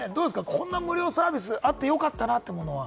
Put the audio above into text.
こんな無料サービスあってよかったなって思うものは。